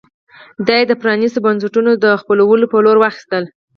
دا یې د پرانېستو بنسټونو د خپلولو په لور واخیستل.